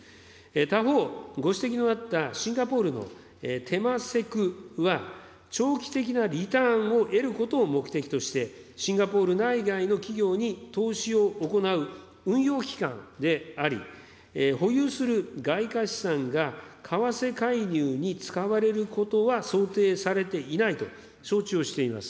他方、ご指摘のあったシンガポールのテマセクは、長期的なリターンを得ることを目的として、シンガポール内外の企業に投資を行う運用機関であり、保有する外貨資産が為替介入に使われることは想定されていないと承知をしております。